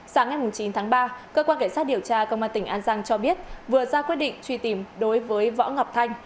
sáng ngày chín tháng ba cơ quan cảnh sát điều tra công an tỉnh an giang cho biết vừa ra quyết định truy tìm đối với võ ngọc thanh